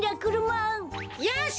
よし！